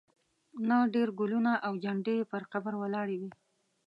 نه ډېر ګلونه او جنډې یې پر قبر ولاړې وې.